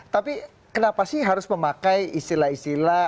tapi kenapa sih harus memakai istilah istilah